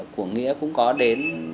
của nghĩa cũng có đến